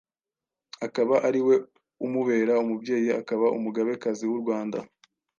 akaba ari we umubera umubyeyi, akaba Umugabekazi w'Urwanda.